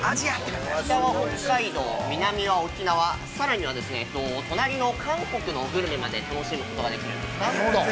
北は北海道、南は沖縄、さらには、隣の韓国のグルメまで楽しむことができるんですね。